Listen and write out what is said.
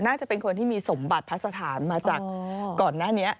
น่าจะเป็นคนที่มีสมบัติพระสถานมาจากก่อนหน้านี้